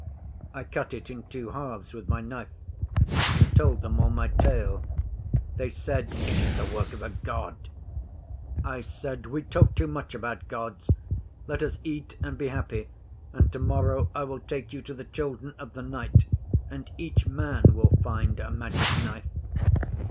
I cut it in two halves with my knife, and told them all my tale. They said, "It is the work of a God." I said, "We talk too much about Gods. Let us eat and be happy, and tomorrow I will take you to the Children of the Night, and each man will find a Magic Knife."